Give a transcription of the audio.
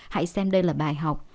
hãy xem đây là bài học